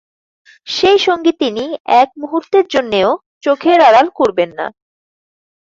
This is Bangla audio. সেই সঙ্গী তিনি এক মুহূর্তের জন্যেও চোখের আড়াল করবেন না।